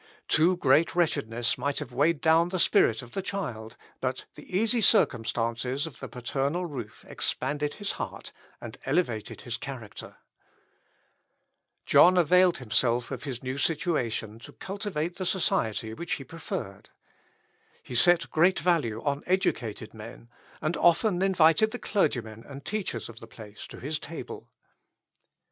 Too great wretchedness might have weighed down the spirit of the child, but the easy circumstances of the paternal roof expanded his heart, and elevated his character. "Drumb musste diese geistliche Schmelzer...." (Mathesius, Historien, 1565, p. 3.) John availed himself of his new situation to cultivate the society which he preferred. He set great value on educated men, and often invited the clergymen and teachers of the place to his table.